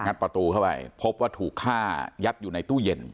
ประตูเข้าไปพบว่าถูกฆ่ายัดอยู่ในตู้เย็น